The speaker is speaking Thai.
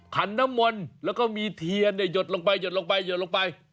ขันน้ำมนต์แล้วก็มีเทียนหยดลงไปหยดลงไปหยดลงไป